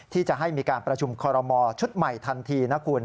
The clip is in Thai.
ที่จะให้มีการประชุมคอรมอชุดใหม่ทันทีนะคุณ